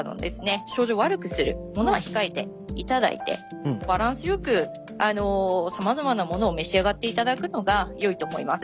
症状を悪くするものは控えていただいてバランスよくさまざまなものを召し上がっていただくのがよいと思います。